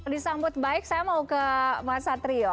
disambut baik saya mau ke mas satrio